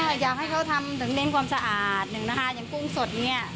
อยากให้เขาทำถึงเน้นความสะอาดหนึ่งนะคะอย่างกุ้งสดเนี้ย